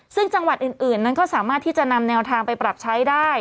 ซึ่งจังหวัดอื่นนั้นก็สามารถที่จะนำแนวทางไปปรับใช้ได้